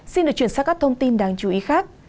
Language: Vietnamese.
xin được chuyển sang các thông tin đáng chú ý khác